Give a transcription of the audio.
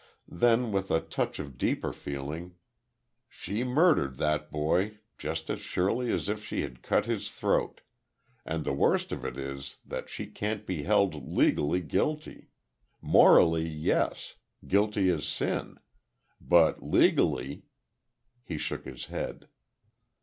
Then, with a touch of deeper feeling. "She murdered that boy just as surely as if she had cut his throat; and the worst of it is that she can't be held legally guilty morally, yes, guilty as sin; but legally " He shook his head.